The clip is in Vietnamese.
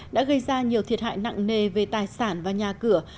đã gây ra nhiều thiệt hại nặng nề về tài sản và nhà cửa